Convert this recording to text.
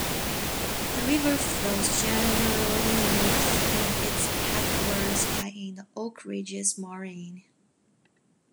The river flows generally north, and its headwaters lie in the Oak Ridges Moraine.